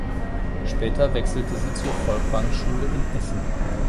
Später wechselte sie zur Folkwang-Schule in Essen.